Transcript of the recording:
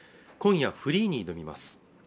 今夜フリーに挑みます